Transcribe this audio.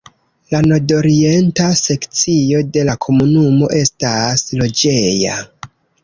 La nordorienta sekcio de la komunumo estas loĝeja.